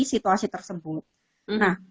situasi tersebut nah